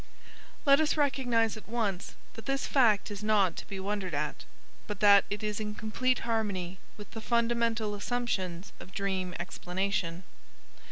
Let us recognize at once that this fact is not to be wondered at, but that it is in complete harmony with the fundamental assumptions of dream explanation.